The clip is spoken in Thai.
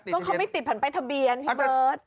เพราะเขาไม่ติดภัณฑ์ใบทะเบียนพี่เบิร์ต